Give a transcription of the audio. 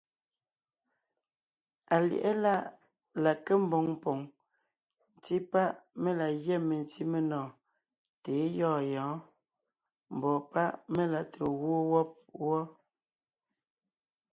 Alyɛ̌ʼɛ láʼ la nke mboŋ poŋ ńtí páʼ mé la gyɛ́ mentí menɔɔn tà é gyɔ̂ɔn yɔ̌ɔn, mbɔ̌ páʼ mé la te gwoon wɔ́b wɔ́.